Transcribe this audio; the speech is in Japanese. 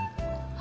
あ